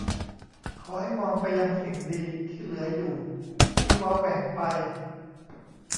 ขอให้มองไปยังสิ่งดีที่เหลืออยู่ที่เว้าแหว่งไป